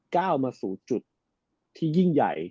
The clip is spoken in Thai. ก้าวมาสู่จุดที่ยิ่งใหญ่